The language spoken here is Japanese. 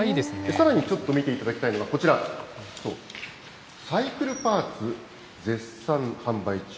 さらにちょっと見ていただきたいのが、こちら、サイクルパーツ絶賛販売中。